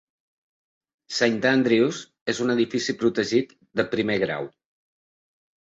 Saint Andrew's és un edifici protegit de primer grau.